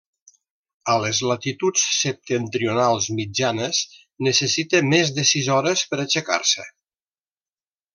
A les latituds septentrionals mitjanes, necessita més de sis hores per aixecar-se.